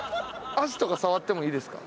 足とか触ってもいいですか？